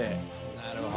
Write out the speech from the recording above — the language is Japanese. なるほど。